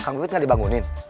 kang wibit gak dibangunin